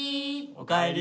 おかえり！